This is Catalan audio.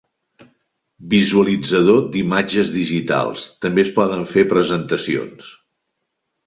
Visualitzador d'imatges digitals, també es poden fer presentacions.